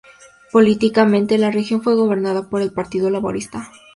Políticamente la región fue gobernada por el Partido Laborista.